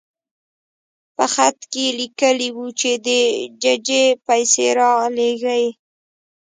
په خط کې لیکلي وو چې د ججې پیسې رالېږه.